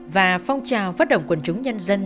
và phong trào phát động quân chúng nhân dân